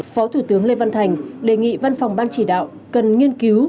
phó thủ tướng lê văn thành đề nghị văn phòng ban chỉ đạo cần nghiên cứu